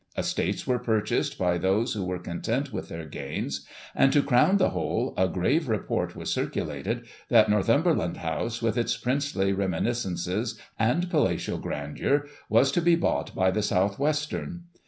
Estates were purchased by those who were content with their gains ; and, to crown the whole, a grave report was circulated, that Northumberland House, with its princely reminiscences, and palatial grandeur, was to be bought by the South Western.